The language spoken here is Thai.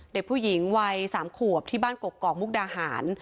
เด็กผู้หญิงวัย๓ขวบที่บ้านกกอกมุกดาหาร